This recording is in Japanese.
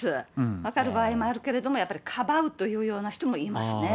分かる場合もあるけれども、やっぱりかばうというような人もいますね。